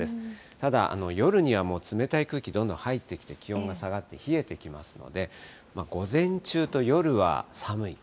ただ、夜にはもう冷たい空気、どんどん入ってきて、気温が下がって、冷えてきますので、午前中と夜は寒い。